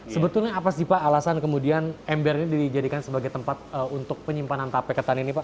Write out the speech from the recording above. sebetulnya apa sih pak alasan kemudian ember ini dijadikan sebagai tempat untuk penyimpanan tape ketan ini pak